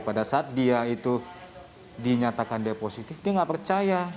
pada saat dia itu dinyatakan dia positif dia nggak percaya